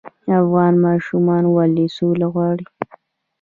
افغان ماشومان ولې سوله غواړي؟